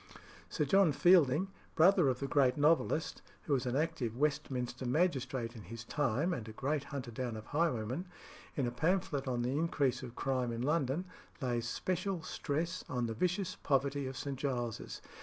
Sir John Fielding, brother of the great novelist, who was an active Westminster magistrate in his time and a great hunter down of highwaymen, in a pamphlet on the increase of crime in London, lays special stress on the vicious poverty of St. Giles's.